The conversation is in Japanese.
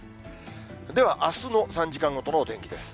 では、あすの３時間ごとのお天気です。